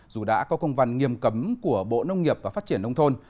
dù đã có công văn nghiêm cấm của bộ nông nghiệp và phát triển nông thôn